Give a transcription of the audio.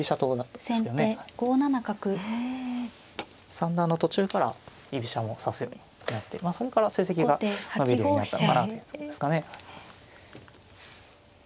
三段の途中から居飛車も指すようになってそれから成績が伸びるようになったのかなという感じですかね。